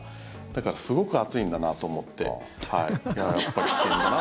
だからすごく暑いんだなと思って。